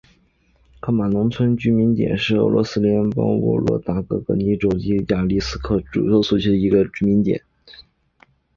克马农村居民点是俄罗斯联邦沃洛格达州尼科利斯克区所属的一个农村居民点。